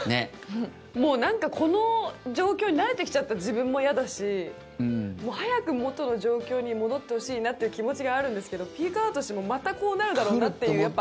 なんか、この状況に慣れてきちゃった自分も嫌だし早く元の状況に戻ってほしいなという気持ちがあるんですけどピークアウトしても、またこうなるだろうなっていう。